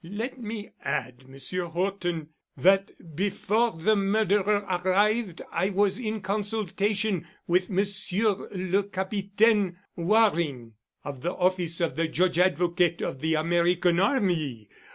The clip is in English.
"Let me add, Monsieur Horton, that before the murderer arrived, I was in consultation with Monsieur le Capitaine Waring of the office of the Judge Advocate of the American Army.